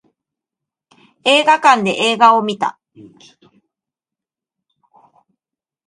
映画館で映画を見た